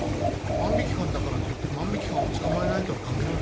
万引犯だからといって万引犯を捕まえないとは限らない。